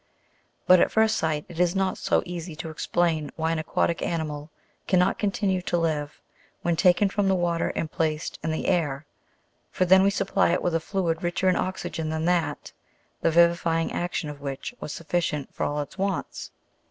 But at first sight, it is not so easy to explain why an aquatic animal cannot continue to live when taken from tho water and placed in the air, for then we supply it with a fluid richer in oxygen than that, the vivifying action of which was sufficient for ail its wants.